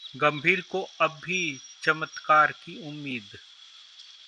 गंभीर को अब भी चमत्कार की उम्मीद